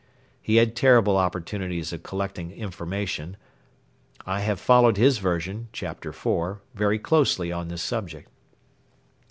He had terrible opportunities of collecting information. I have followed his version (chapter iv.) very closely on this subject.